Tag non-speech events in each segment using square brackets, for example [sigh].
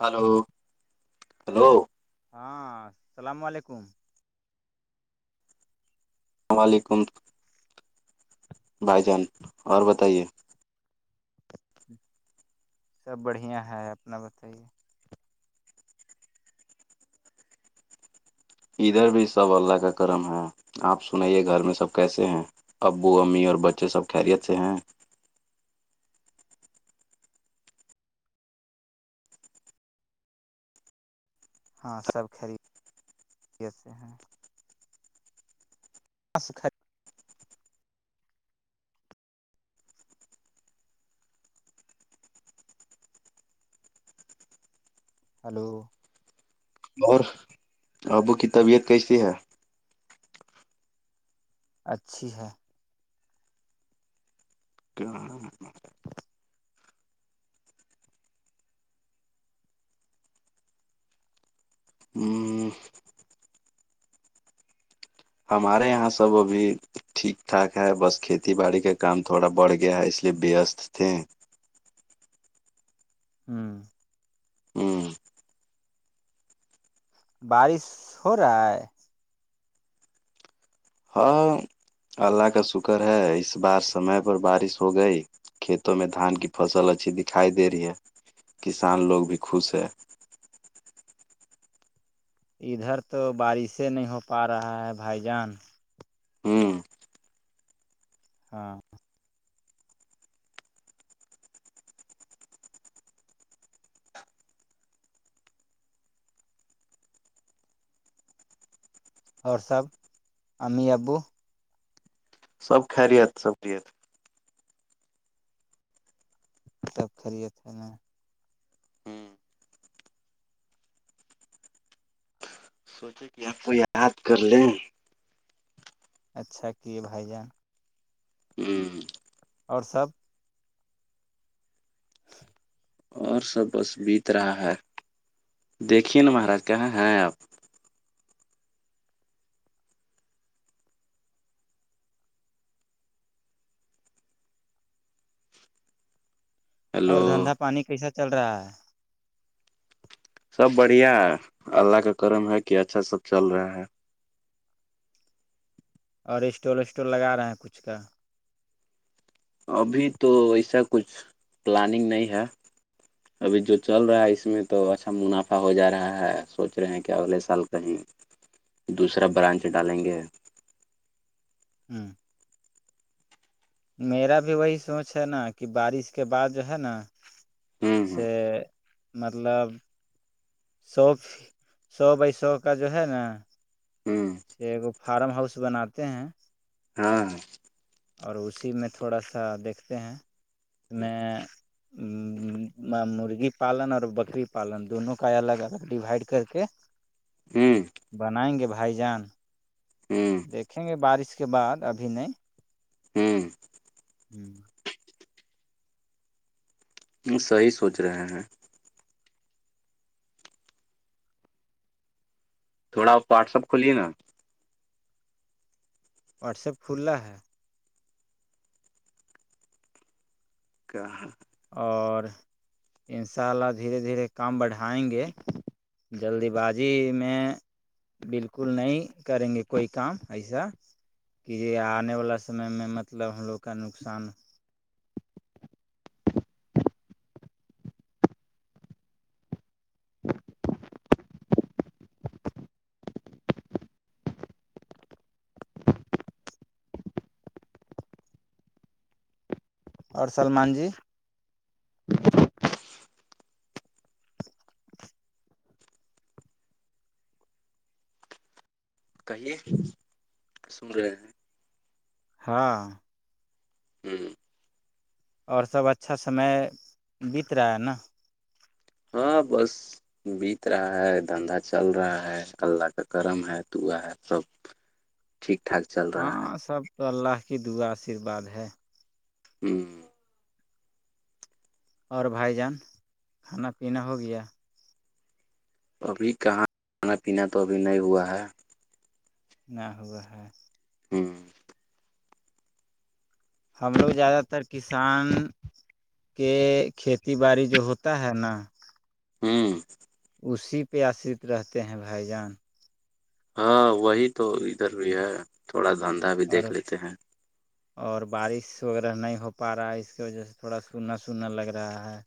hello hello ہاں السلام علیکم الل و علیکم بھائی جان اور بتائیے سب بڑھیا ہے اپنا بتائیے ادھر بھی سب اللہ کا کرم ہے آپ سنے گھر میں سب کیسے ہیں ابو امی اور بچے سب خیریت سے ہیں ہاں سب خرید سے ہیں [inaudible] ہلو اور ابو کی طبیعت کیسی ہے اچھی ہے [inaudible] [inaudible] ہمارے یہاں سب ابھی ٹھیک ٹھاک ہے بس کھیتی باڑی کا کام تھوڑا بڑھ گیا ہے اس لیے وست تھے [inaudible] ہ بارش ہو رہا ہے ہاں اللہ کا شکر ہے اس بار سمے پر بارش ہو گئی کھیتوں میں دھان کی فصل اچھی دکھائی دے رہی ہے کسان لوگ بھی خوش ہے ادھر تو بارشیں نہیں ہو پا رہا ہے بھائی جان ہوں ہاں اور سب امی ابو سب خاریت سب رت سب خری تھا نا یہ آپ کو یاد کر لیں اچھا کہ بھائی جان [inaudible] اور سب ہہہ اور سب بس بیت رہا ہے دیکھیے نا مہارا کہاں ہیں آپ ہیلو اور دھندا پانی کیسا چل رہا ہے سب بڑھیا ہے اللہ کا کرم ہے کہ اچھا سب چل رہا ہے اور اسٹول وسٹول لگا رہے ہیں کچھ کا ابھی تو ایسا کچھ پلاننگ نہیں ہے ابھی جو چل رہا ہے اس میں تو اچھا منافع ہو جا رہا ہے سوچ رہے ہیں کہ اگلے سال کہیں دوسرا برانچ ڈالیں گے ہوں میرا بھی وہی سوچ ہے نا کہ بارش کے بعد جو ہے نا ہ ہ سے مطلب سو سو بائی سو کا جو ہے نا ہوں سے ایک فارم ہاؤس بناتے ہیں ہاں اور اسی میں تھوڑا سا دیکھتے ہیں میں مرغی پالن اور بکری پالن دونوں کا الگ الگ ڈوائڈ کر کے ہوں بنائیں گے بھائی جان ہ دیکھیں گے بارش کے بعد ابھی نہیں ہوں ہوں صحیح سوچ رہے ہیں تھوڑا واٹسپ کھلیے نا واٹس ایپ کھللا ہے کہاں اور ان شاء اللہ دھیرے دھیرے کام بڑھائیں گے جلدی بازی میں بالکل نہیں کریں گے کوئی کام ایسا کہ یہ آنے والا سم میں مطلب ہم لوگ کا نقصان اور سلمان جی کہیے سن رہے ہیں ہاں ہوں اور سب اچھا سمے بیت رہا ہے نا ہاں بس بیت رہا ہے دھندا چل رہا ہے اللہ کا کرم ہے توعا ہے سب ووغ ٹھیکٹاک چل ہاں سب تو اللہ کی دعا آشیررواد ہے ہوں اور بھائی جان کھانا پینا ہو گیا ابھی کہاں کھانا پینا تو ابھی نہیں ہوا ہے نہ ہوا ہے ہوں ہم لوگ زیادہ تر کسان کہ کھیتی باڑی جو ہوتا ہے نا ہوں اسی پہ آشرت رہتے ہیں بھائی جان ہاں وہی تو ادھر بھی ہے تھوڑا دھندا بھی دیکھ اور لیتے ہیں اور بارش وغیرہ نہیں ہو پا رہا ہے اس کی وجہ سے تھوڑا سونا سنا لگ رہا ہے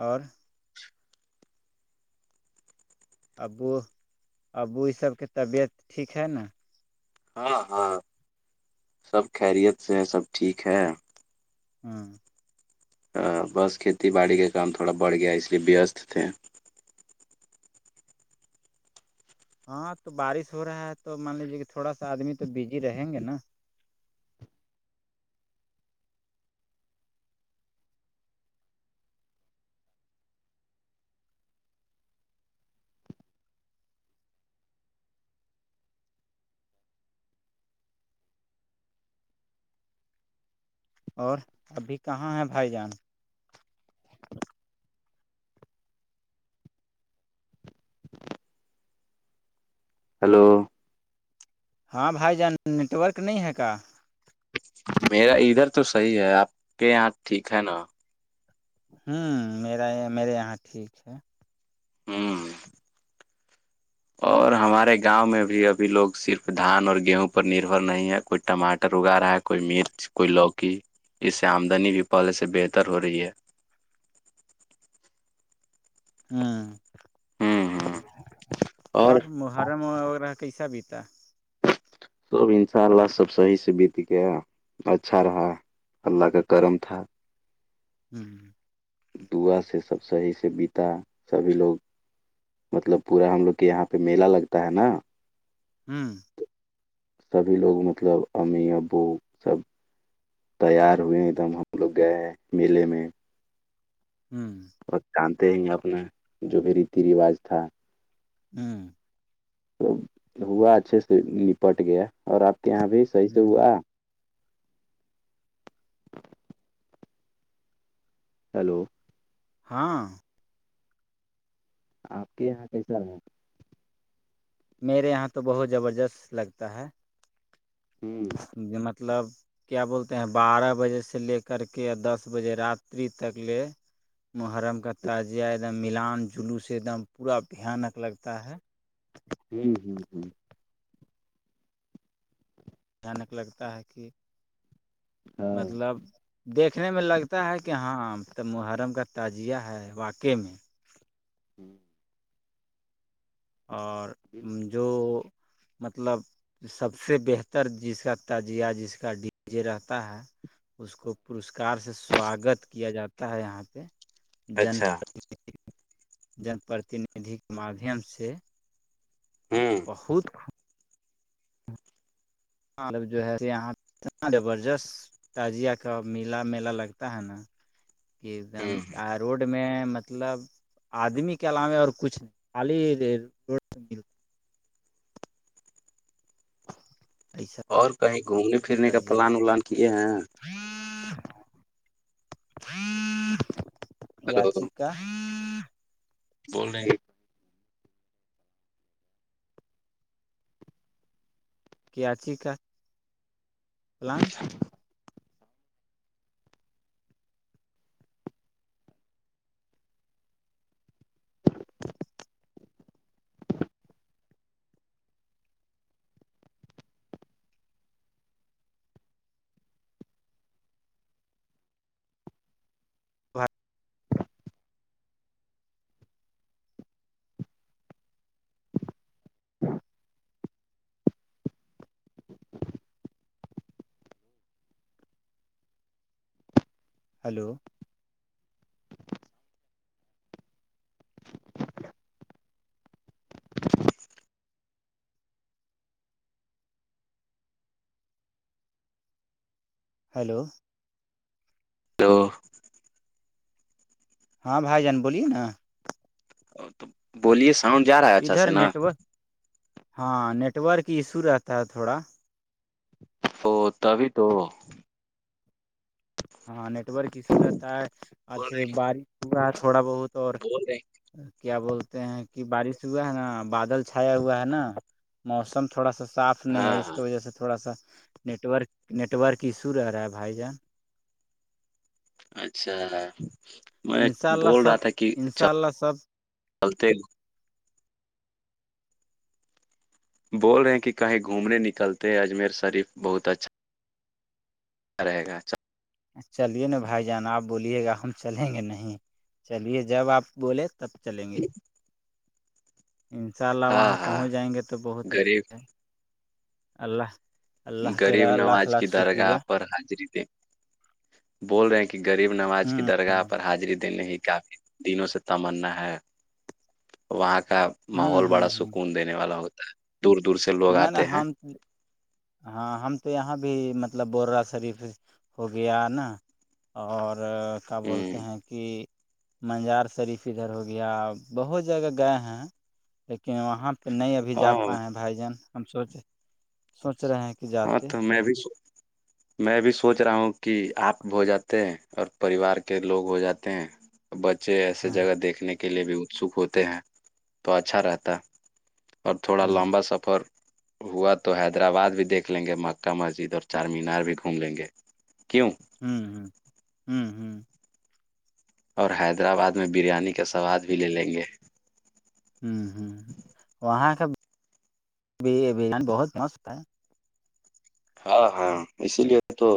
اور ابو ابو اس سب کے طبیعت ٹھیک ہے نا ہاں ہاں سب خیریت سے سب ٹھیک ہے ہاں بس کھیتی باڑی کے کام تھوڑا بڑھ گیا ہے اس لیے وست تھے ہاں تو بارش ہو رہا ہے تو مان لیجیے کہ تھوڑا سا آدمی تو بزی رہیں گے نا اور ابھی کہاں ہیں بھائی جان ہلو ہاں بھائی جان نیٹ ورک نہیں ہے کا میرا ادھر تو صحیح ہے آپ کے یہاں ٹھیک ہے نا ہوں میرا یہ میرے یہاں ٹھیک ہے ہاں اور ہم ہمارے گاؤں میں بھی اھی لوگ صرف دھان اور گیہوں پر نربھر نہیں ہے کوئی ٹماٹر اگا رہا ہے کوئی مرچ کوئی لوکی اس سے آمدنی بھی پہلے سے بہتر ہو رہی ہے ہوں ہوں ہوں اور محرم وغیرہ کیسا بیتا سب انشاء اللہ سب صحیح سے بیت گیا اچھا رہا اللہ کا کرم تھا ہوں دعا سے سب صحیح سے بیتا سبھی لوگ مطلب پورا ہم لوگ کے یہاں پہ میلہ لگتا ہے نا ہوں سبھی لوگ مطلب امی ابو سب تیار ہوئے ایک دم ہم لوگ گئے میلے میں ہوں بہت جانتے ہیں اپنا جو بھی ریتی رواج تھا ہوں تو ہوا اچھے سے نپٹ گیا اور آپ کے یہاں بھی صحیح سے ہوں ہوا ہیلو ہاں آپ کے یہاں کیسا رہ میرے یہاں تو بہت زبردست لگتا ہے ہوں جے مطلب کیا بولتے ہیں بارہ بجے سے لے کر کے یا دس بجے راتری تک لے محرم کا تعجیہ ایک دم ملان جلوس سے ایک دم پورا بھیانک لگتا ہے ہوں ہوں ہوں اچانک لگتا ہے کہ ہاں مطلب دیکھنے میں لگتا ہے کہ ہاں تو محرم کا تعجزیہ ہے واقعہ میں ہوں اور جو مطلب سب سے بہتر جس کا تجیہ جس کا ڈی جے رہتا ہے اس کو پسکار سے سواگت کیا جاتا ہے یہاں پہ جن اچھا جن پرتیندھی کے مادھیم سے ا ہوں بہت ب جو ہے یہ اتنا زبردست تجیہ کا میلا میلا لگتا ہے نا کہ ایک دم ہ روڈ میں مطلب آدمی کے علاوے اور کچھ نہیں خالی روڈ م ایسا اور کہیں گھومنے پھرنے کا پلان ولان کیے ہیں ہلو رانچی کا بول رہے ہیں کاچی کا پلان وق [unintelligible] ہلو ہیلو تو ہاں بھائی جان بولیے نا تو بولیے ساؤنڈ جا رہا ہے اچھا ادھر سے نا نیٹورک ہاں نیٹ ورک ایشو رہتا ہے تھوڑا وہ تب تو ہاں نیٹ ورک ایشو رہتا ہے آج بول رہے بارش ہوا ہے تھوڑا بہت اور بول رہے کیا بولتے ہیں کہ بارش ہوا ہے نا بادل چھایا ہوا ہے نا موسم تھوڑا سا صاف نہیں ہے ہاں اس ہاں کے وجہ سے تھوڑا سا نیٹورک نیٹورک ایشو رہ رہا ہے بھائی جان اچھا میں انشاء اللہ بول سب رہا تھا کہ انشاء اللہ سب چلتے بول رہے ہیں کہ کہیں گھومنے نکلتے اجمیر شریف بہت اچھا رہے گا س چلیے نا بھائی جان آپ بولیے گا ہم چلیں گے نہیں چلیے جب آپ بولے تب چلیں گے انشاء اللہ ہاں وہاں ہاں پہنچ جائیں گے تو بہت غریب اچھا ہے اللہ اللہ کے غریب لاکھ نواز کی لاکھ شکریہ درگاہ پر حاضری دے بول رہے ہیں کہ غریب نماز کی ہوں درگاہ پر حاضری دینے ہی کافی دنوں سے تمنا ہے وہاں کا ہوں ماحول بڑا ہوں ہ سکون دینے والا ہوتا ہے دور دور سے لوگ نہیں نہیں آتے ہیں ہم ہاں ہم تو یہاں بھی مطلب بورہ شریف ہو گیا نا اور کیا ہ بولتے ہیں کہ منجار شریف ادھر ہو گیا بہت جگہ گئے ہیں لیکن وہاں کہ نہیں ابھی جا ہاں پاے بھائی جان ہم سوچ سوچ رہے ہیں کہ ہاں جاتے تو میں بھی میں بھی سوچ رہا ہوں کہ آپ ہو جاتے ہیں اور پریوار کے لوگ ہو جاتے ہیں بچے ایے ہاں جگہ دیکھنے کے لیے بھی اتسک ہوتے ہیں تو اچھا رہتا اور تھوڑا ہوں لمبا سفر ہوا تو حیدرآباد بھی دیکھ لیں گے مکہ مسجد اور چار مینار بھی گھوم لیں گے کیوں ہوں ہ ہوں ہ اور حیدرآباد میں بریانی کا سواد بھی لے لیں گے ہوں ہ وہاں کاان بہت متا ہے ہاں ہاں اسی لیے تو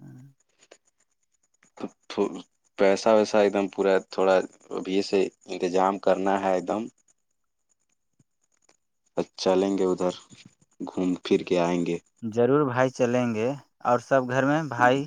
ہوں تب توو پیسہ ویسا ایک دم پورا تھوڑا ابھی سے انتظام کرنا ہے ایک دم ب چلیں گے ادھر گھوم پھر کے آئیں گے ضرور بھائی چلیں گے اور سب گھر میں بھائی